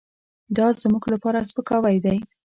دازموږ لپاره سپکاوی دی .